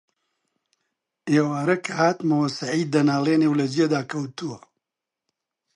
ئێوارە کە هاتمەوە سەعید دەناڵێنێ و لە جێدا کەوتووە: